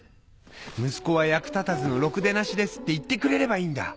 息子は役立たずのろくでなしですって言ってくれればいいんだ！